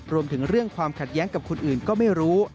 รวมถึงเรื่องความขัดแย้งกับคนอื่นก็ไม่รู้